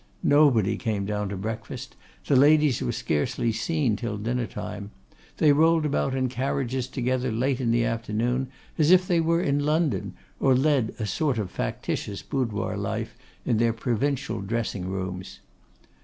Nobody came down to breakfast; the ladies were scarcely seen until dinner time; they rolled about in carriages together late in the afternoon as if they were in London, or led a sort of factitious boudoir life in their provincial dressing rooms.